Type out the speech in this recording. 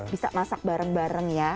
bisa masak bareng bareng ya